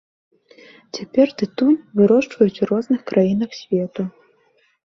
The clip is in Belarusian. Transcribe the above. Цяпер тытунь вырошчваюць у розных краінах свету.